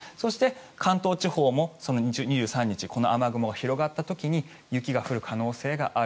そして、関東地方も２３日、この雨雲が広がった時に雪が降る可能性がある。